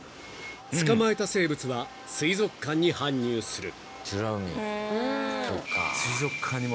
［捕まえた生物は水族館に搬入する］